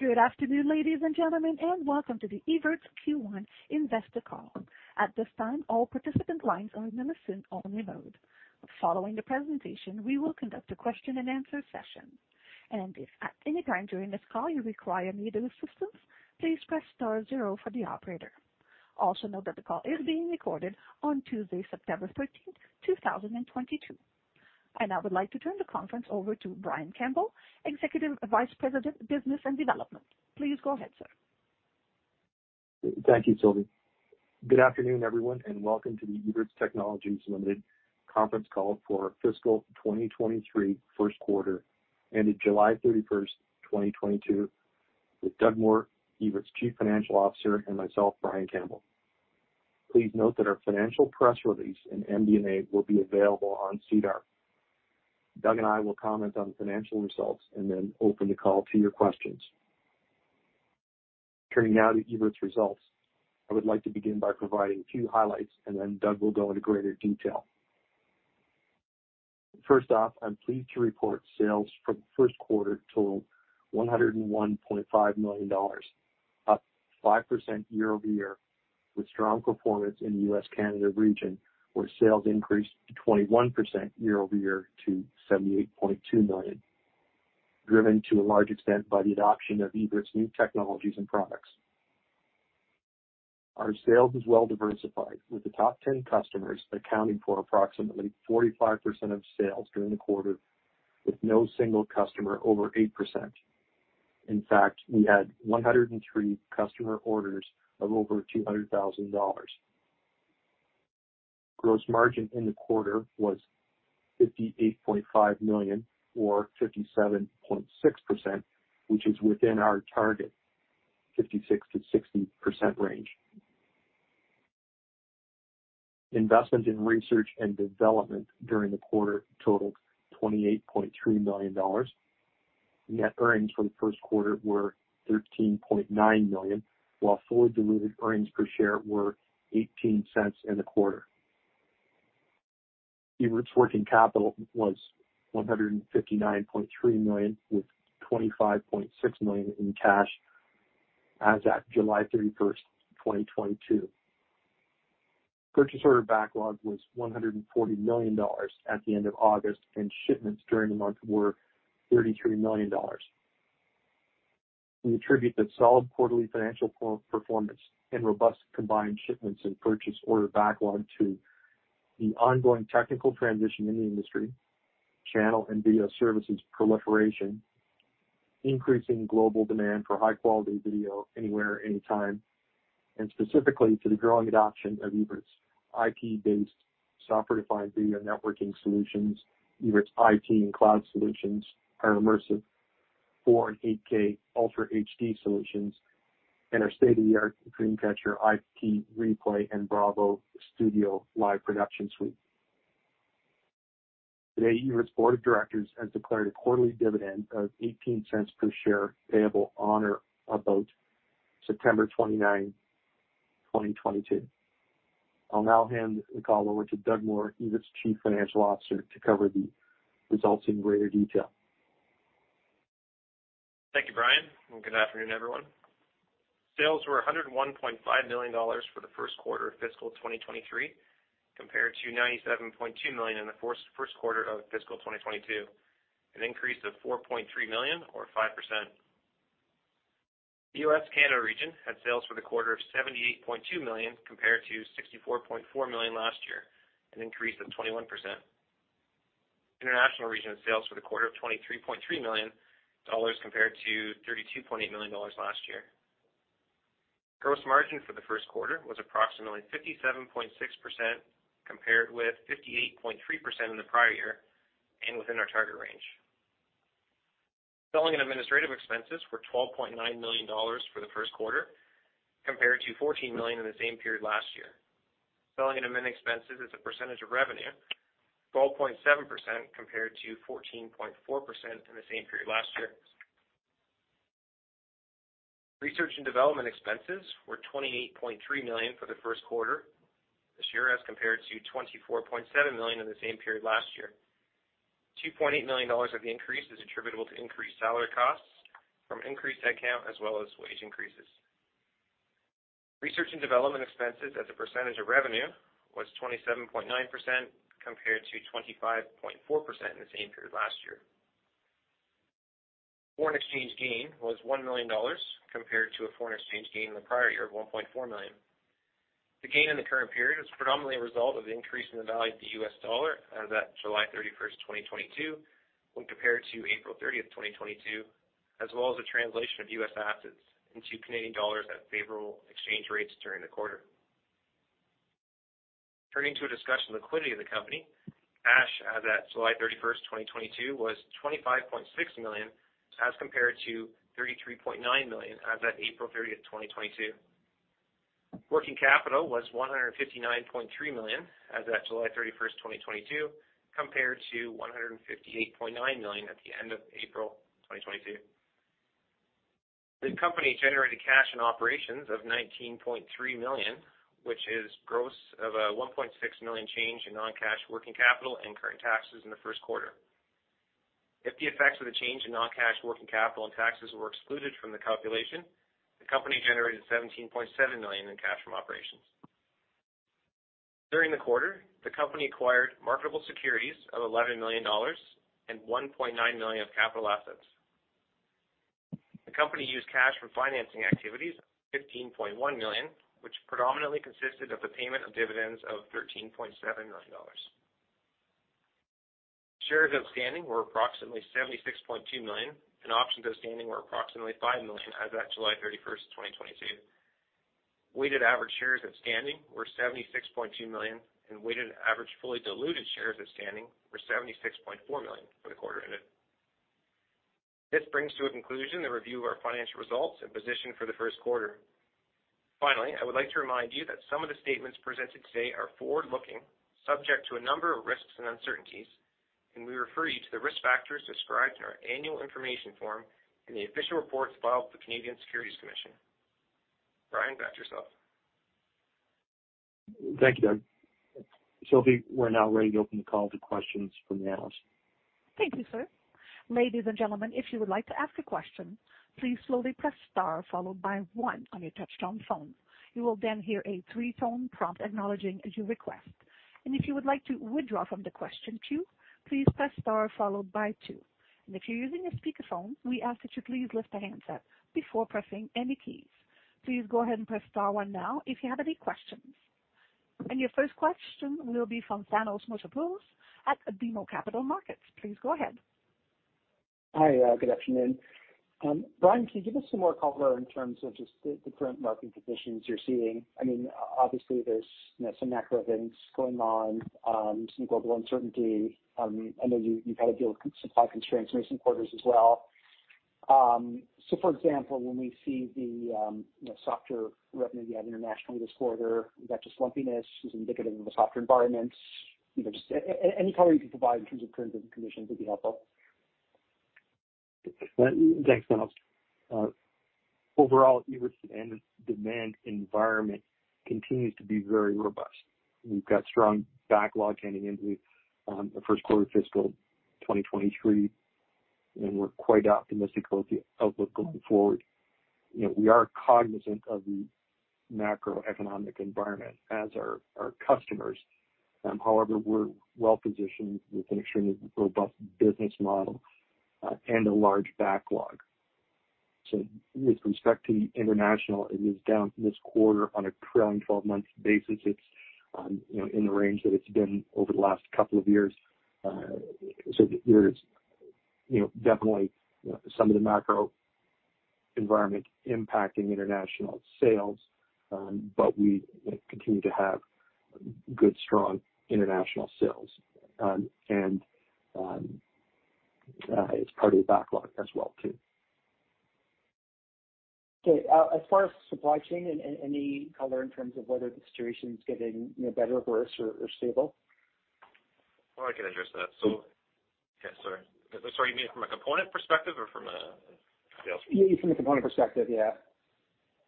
Good afternoon, ladies and gentlemen, and welcome to the Evertz Q1 Investor Call. At this time, all participant lines are in listen-only mode. Following the presentation, we will conduct a question-and-answer session. If at any time during this call you require any assistance, please press star zero for the operator. Also note that the call is being recorded on Tuesday, September 13, 2022. I now would like to turn the conference over to Brian Campbell, Executive Vice President, Business and Development. Please go ahead, sir. Thank you, Sylvie. Good afternoon, everyone, and welcome to the Evertz Technologies Limited conference call for fiscal 2023 first quarter ending July 31, 2022, with Doug Moore, Evertz Chief Financial Officer, and myself, Brian Campbell. Please note that our financial press release and MD&A will be available on SEDAR. Doug and I will comment on the financial results and then open the call to your questions. Turning now to Evertz results, I would like to begin by providing a few highlights, and then Doug will go into greater detail. First off, I'm pleased to report sales for the first quarter totaled 101.5 million dollars, up 5% year-over-year, with strong performance in the US/Canada region, where sales increased 21% year-over-year to 78.2 million, driven to a large extent by the adoption of Evertz new technologies and products. Our sales is well diversified, with the top 10 customers accounting for approximately 45% of sales during the quarter, with no single customer over 8%. In fact, we had 103 customer orders of over 200,000 dollars. Gross margin in the quarter was 58.5 million or 57.6%, which is within our target, 56%-60% range. Investment in research and development during the quarter totaled 28.3 million dollars. Net earnings for the first quarter were 13.9 million, while fully diluted earnings per share were 0.18 in the quarter. Evertz working capital was 159.3 million, with 25.6 million in cash as at July 31, 2022. Purchase order backlog was 140 million dollars at the end of August, and shipments during the month were 33 million dollars. We attribute the solid quarterly financial performance and robust combined shipments and purchase order backlog to the ongoing technical transition in the industry, channel and video services proliferation, increasing global demand for high quality video anywhere, anytime, and specifically to the growing adoption of Evertz IP-based software-defined video networking solutions, Evertz IT and cloud solutions, our immersive 4K and 8K Ultra HD solutions, and our state-of-the-art DreamCatcher IP replay and BRAVO Studio live production suite. Today, Evertz Board of Directors has declared a quarterly dividend of 0.18 per share payable on or about September 29, 2022. I'll now hand the call over to Doug Moore, Evertz Chief Financial Officer, to cover the results in greater detail. Thank you, Brian, and good afternoon, everyone. Sales were 101.5 million dollars for the first quarter of fiscal 2023, compared to 97.2 million in the first quarter of fiscal 2022, an increase of 4.3 million or 5%. U.S./Canada region had sales for the quarter of 78.2 million, compared to 64.4 million last year, an increase of 21%. International region had sales for the quarter of 23.3 million dollars compared to 32.8 million dollars last year. Gross margin for the first quarter was approximately 57.6% compared with 58.3% in the prior year and within our target range. Selling and administrative expenses were 12.9 million dollars for the first quarter, compared to 14 million in the same period last year. Selling and admin expenses as a percentage of revenue, 12.7% compared to 14.4% in the same period last year. Research and development expenses were 28.3 million for the first quarter this year as compared to 24.7 million in the same period last year. 2.8 million dollars of the increase is attributable to increased salary costs from increased headcount as well as wage increases. Research and development expenses as a percentage of revenue was 27.9% compared to 25.4% in the same period last year. Foreign exchange gain was 1 million dollars compared to a foreign exchange gain in the prior year of 1.4 million. The gain in the current period was predominantly a result of the increase in the value of the U.S. Dollar as at July 31, 2022, when compared to April 30, 2022, as well as the translation of U.S. Assets into Canadian dollars at favorable exchange rates during the quarter. Turning to a discussion of liquidity of the company, cash as at July 31, 2022, was 25.6 million, as compared to 33.9 million as at April 30, 2022. Working capital was 159.3 million as at July 31, 2022, compared to 158.9 million at the end of April 2022. The company generated cash in operations of 19.3 million, which is gross of 1.6 million change in non-cash working capital and current taxes in the first quarter. If the effects of the change in non-cash working capital and taxes were excluded from the calculation, the company generated 17.7 million in cash from operations. During the quarter, the company acquired marketable securities of 11 million dollars and 1.9 million of capital assets. The company used cash from financing activities CAD 15.1 million, which predominantly consisted of the payment of dividends of CAD 13.7 million. Shares outstanding were approximately 76.2 million, and options outstanding were approximately 5 million as at July 31, 2022. Weighted average shares outstanding were 76.2 million, and weighted average fully diluted shares outstanding were 76.4 million for the quarter ended. This brings to a conclusion the review of our financial results and position for the first quarter. Finally, I would like to remind you that some of the statements presented today are forward-looking, subject to a number of risks and uncertainties, and we refer you to the risk factors described in our Annual Information Form in the official reports filed with the Canadian Securities Administrators. Brian, back to yourself. Thank you, Doug. Sylvie, we're now ready to open the call to questions from the analysts. Thank you, sir. Ladies and gentlemen, if you would like to ask a question, please slowly press star followed by one on your touchtone phone. You will then hear a three-tone prompt acknowledging your request. If you would like to withdraw from the question queue, please press star followed by two. If you're using a speakerphone, we ask that you please lift the handset before pressing any keys. Please go ahead and press star one now if you have any questions. Your first question will be from Thanos Moschopoulos at BMO Capital Markets. Please go ahead. Hi. Good afternoon. Brian, can you give us some more color in terms of just the current market conditions you're seeing? I mean, obviously there's, you know, some macro events going on, some global uncertainty. I know you've had to deal with supply constraints in recent quarters as well. So for example, when we see the, you know, softer revenue you had internationally this quarter, is that just lumpiness? Is it indicative of a softer environment? You know, just any color you can provide in terms of current conditions would be helpful. Well, thanks, Thanos. Overall, Evertz end demand environment continues to be very robust. We've got strong backlog heading into the first quarter fiscal 2023, and we're quite optimistic about the outlook going forward. You know, we are cognizant of the macroeconomic environment as are our customers, however, we're well positioned with an extremely robust business model and a large backlog. With respect to international, it is down from this quarter. On a trailing 12-month basis, it's you know, in the range that it's been over the last couple of years. There is you know, definitely some of the macro environment impacting international sales, but we continue to have good, strong international sales. It's part of the backlog as well too. Okay. As far as supply chain, any color in terms of whether the situation is getting, you know, better or worse or stable? Well, I can address that. Yeah, sorry. You mean from a component perspective or from a sales perspective? From a component perspective, yeah.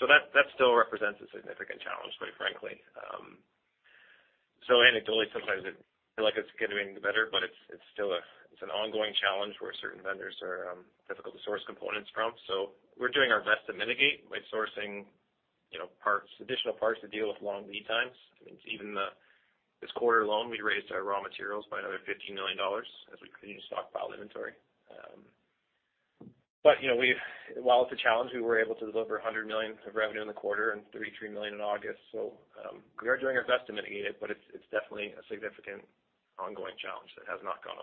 That still represents a significant challenge, quite frankly. Anecdotally, sometimes it feel like it's getting better, but it's still an ongoing challenge where certain vendors are difficult to source components from. We're doing our best to mitigate by sourcing, you know, parts, additional parts to deal with long lead times. I mean, even this quarter alone, we raised our raw materials by another 15 million dollars as we continue to stockpile inventory. You know, while it's a challenge, we were able to deliver 100 million of revenue in the quarter and 33 million in August. We are doing our best to mitigate it, but it's definitely a significant ongoing challenge that has not gone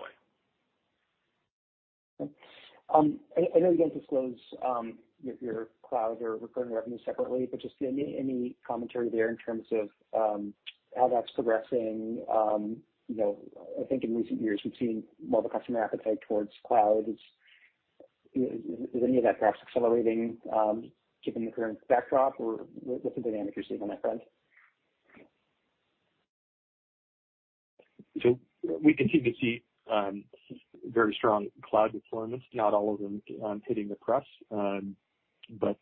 away. Okay. I know you don't disclose your cloud or recurring revenue separately, but just any commentary there in terms of how that's progressing? You know, I think in recent years, we've seen more of a customer appetite toward cloud. It's. Is any of that perhaps accelerating given the current backdrop or what's the dynamic you're seeing on that front? We continue to see very strong cloud deployments, not all of them hitting the press, but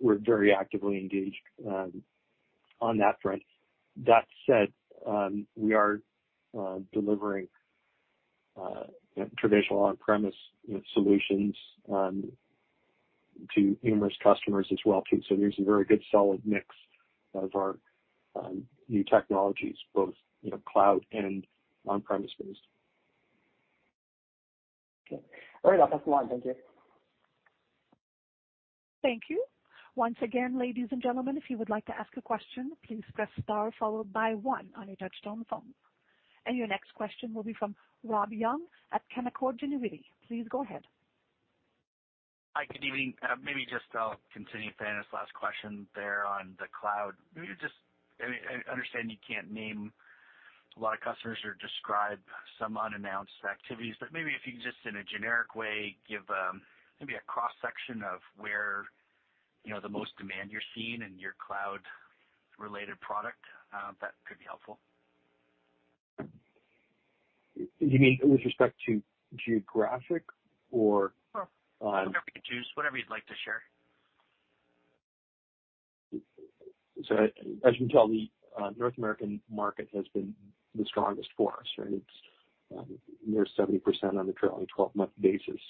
we're very actively engaged on that front. That said, we are delivering traditional on-premise, you know, solutions to numerous customers as well too. There's a very good solid mix of our new technologies, both, you know, cloud and on-premise based. Okay. All right. That's all. Thank you. Thank you. Once again, ladies and gentlemen, if you would like to ask a question, please press star followed by one on your touchtone phone. Your next question will be from Rob Young at Canaccord Genuity. Please go ahead. Hi, good evening. Maybe just I'll continue Thanos' last question there on the cloud. I understand you can't name a lot of customers or describe some unannounced activities, but maybe if you can just in a generic way, give maybe a cross-section of where, you know, the most demand you're seeing in your cloud related product, that could be helpful. You mean with respect to geographic or? No, whatever you choose, whatever you'd like to share. As you can tell, the North American market has been the strongest for us, right? It's near 70% on the trailing 12-month basis.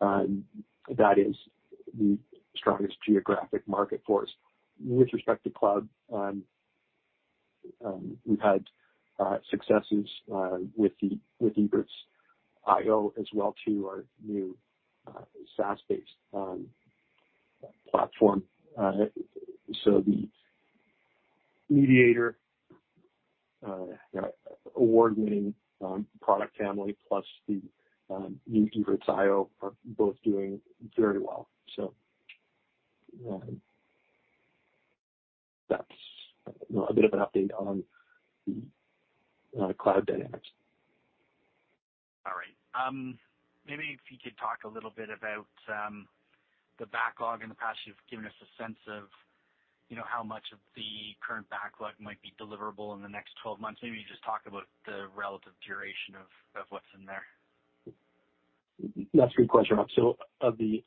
That is the strongest geographic market for us. With respect to cloud, we've had successes with Evertz.IO as well too, our new SaaS-based platform. The Mediator, you know, award-winning product family, plus the new Evertz.IO are both doing very well. That's, you know, a bit of an update on the cloud dynamics. All right. Maybe if you could talk a little bit about the backlog. In the past, you've given us a sense of, you know, how much of the current backlog might be deliverable in the next 12 months. Maybe just talk about the relative duration of what's in there. That's a good question. Of the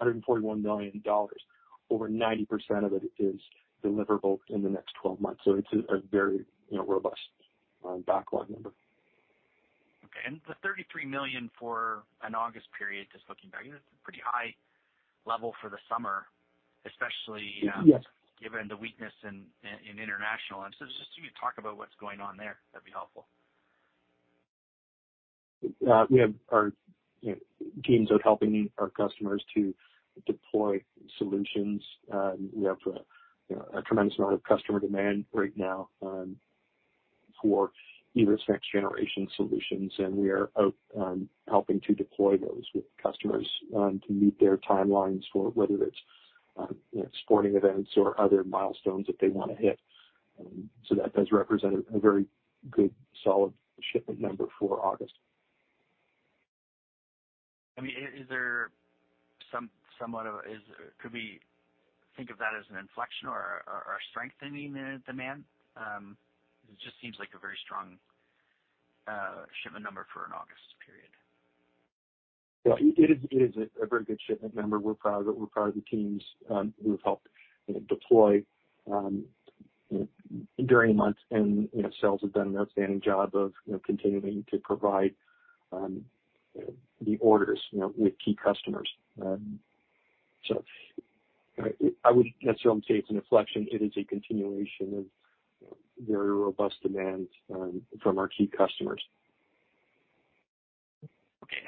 141 million dollars, over 90% of it is deliverable in the next 12 months, so it's a very, you know, robust backlog number. Okay, the 33 million for an August period is looking like a pretty high level for the summer, especially. Yes. Given the weakness in international. Just, can you talk about what's going on there? That'd be helpful. We have our, you know, teams out helping our customers to deploy solutions. We have a, you know, a tremendous amount of customer demand right now for Evertz next generation solutions, and we are out helping to deploy those with customers to meet their timelines for whether it's, you know, sporting events or other milestones that they wanna hit. That does represent a very good solid shipment number for August. I mean, could we think of that as an inflection or a strengthening in demand? It just seems like a very strong shipment number for an August period. Yeah, it is a very good shipment number. We're proud of it. We're proud of the teams who have helped, you know, deploy, you know, during the month. You know, sales have done an outstanding job of, you know, continuing to provide, you know, the orders, you know, with key customers. I wouldn't necessarily say it's an inflection. It is a continuation of, you know, very robust demand from our key customers. Okay.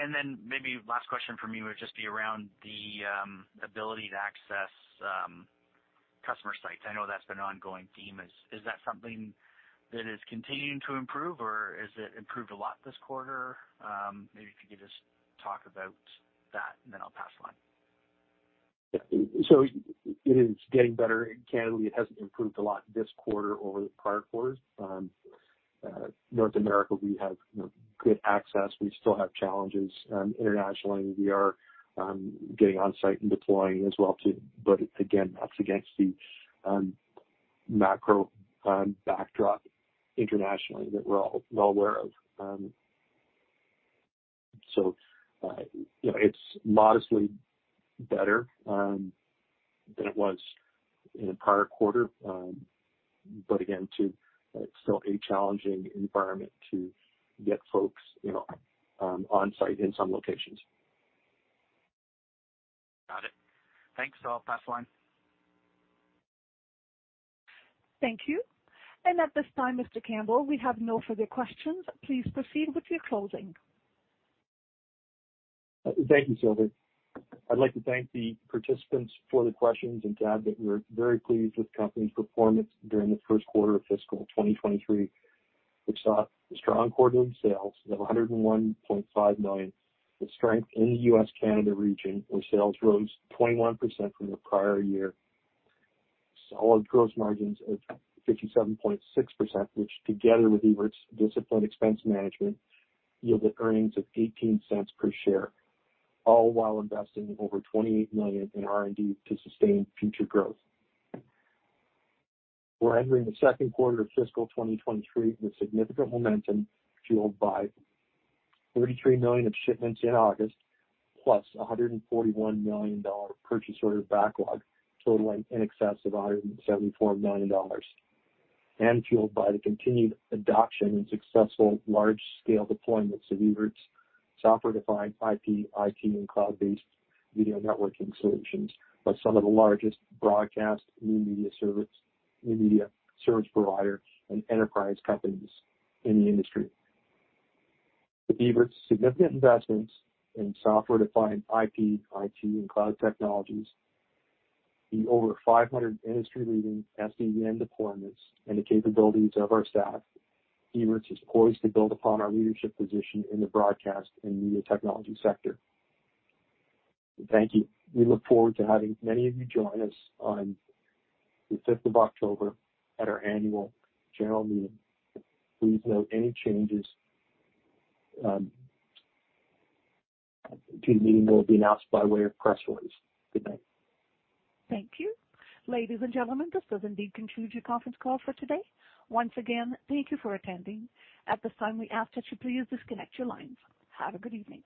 Maybe last question from me would just be around the ability to access customer sites. I know that's been an ongoing theme. Is that something that is continuing to improve or is it improved a lot this quarter? Maybe if you could just talk about that and then I'll pass the line. Yeah. It is getting better in Canada. It hasn't improved a lot this quarter over the prior quarters. North America, we have, you know, good access. We still have challenges internationally. We are getting on site and deploying as well, too. Again, that's against the macro backdrop internationally that we're all well aware of. You know, it's modestly better than it was in the prior quarter. Again, too, it's still a challenging environment to get folks, you know, on site in some locations. Got it. Thanks. I'll pass the line. Thank you. At this time, Mr. Campbell, we have no further questions. Please proceed with your closing. Thank you, Sylvie. I'd like to thank the participants for the questions and to add that we're very pleased with the company's performance during the first quarter of fiscal 2023, which saw strong quarterly sales of 101.5 million. The strength in the U.S.-Canada region, where sales rose 21% from the prior year. Solid gross margins of 57.6%, which together with Evertz's disciplined expense management, yielded earnings of 0.18 per share, all while investing over 28 million in R&D to sustain future growth. We're entering the second quarter of fiscal 2023 with significant momentum, fueled by 33 million of shipments in August, plus a 141 million dollar purchase order backlog, totaling in excess of 174 million dollars. Fueled by the continued adoption and successful large scale deployments of Evertz' software-defined IP, IT, and cloud-based video networking solutions by some of the largest broadcast new media service providers and enterprise companies in the industry. With Evertz's significant investments in software-defined IP, IT, and cloud technologies, the over 500 industry-leading SDVN deployments and the capabilities of our staff, Evertz is poised to build upon our leadership position in the broadcast and media technology sector. Thank you. We look forward to having many of you join us on the fifth of October at our annual general meeting. Please note any changes to the meeting will be announced by way of press release. Goodbye. Thank you. Ladies and gentlemen, this does indeed conclude your conference call for today. Once again, thank you for attending. At this time, we ask that you please disconnect your lines. Have a good evening.